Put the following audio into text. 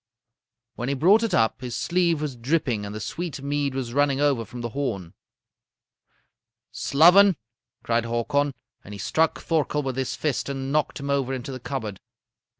"When he brought it up, his sleeve was dripping and the sweet mead was running over from the horn. "'Sloven!' cried Hakon, and he struck Thorkel with his fist and knocked him over into the cupboard.